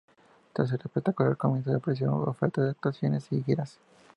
Tras el espectacular comienzo, aparecieron ofertas de actuaciones y giras.